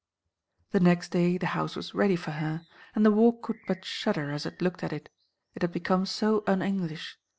The next day the house was ready for her, and the Walk could but shudder as it looked at it: it had become so un English.